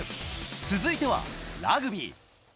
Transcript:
続いてはラグビー。